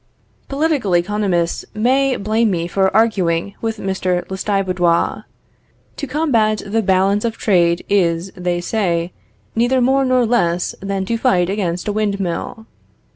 Political economists may blame me for arguing with Mr. Lestiboudois. To combat the balance of trade, is, they say, neither more nor less than to fight against a windmill.